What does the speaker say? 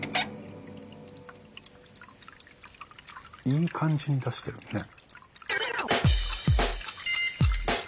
いい感じに出してるね。